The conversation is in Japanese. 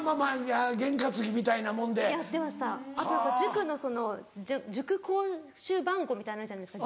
あと塾のその塾講習番号みたいのあるじゃないですか。